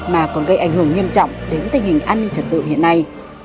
mà còn gây ảnh hưởng nghiêm trọng đến tình hình an ninh trật tự hiện nay